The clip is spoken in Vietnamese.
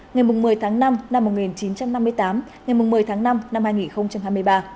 ngày một mươi tháng năm năm một nghìn chín trăm năm mươi tám ngày một mươi tháng năm năm hai nghìn hai mươi ba